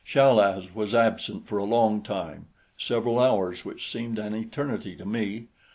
Chal az was absent for a long time several hours which seemed an eternity to me.